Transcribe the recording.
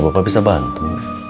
bapak bisa bantu